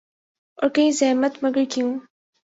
اور کہیں زحمت ، مگر کیوں ۔